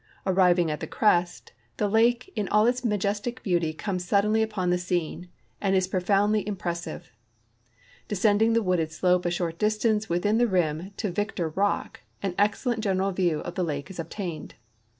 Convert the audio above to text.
Arriving at the crest, the lake in all its majestic beauty comes suddenly upon the scene, and is profoundly im[)ressive. Descending the wooded slope a short distance within the rim to Victor rock, an excellent general view of the lake is obtained.